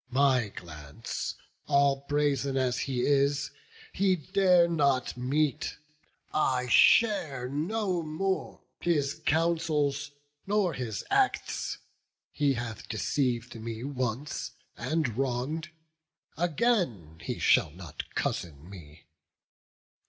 my glance, All brazen as he is, he dare not meet. I share no more his counsels, nor his acts; He hath deceiv'd me once, and wrong'd; again He shall not cozen me!